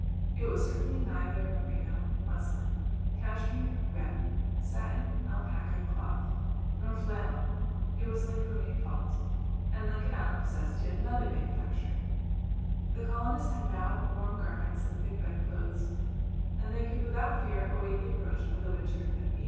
It was certainly neither merino, muslin, cashmere, rep, satin, alpaca, cloth, nor flannel. It was "Lincolnian felt," and Lincoln Island possessed yet another manufacture. The colonists had now warm garments and thick bedclothes, and they could without fear await the approach of the winter of 1866 67.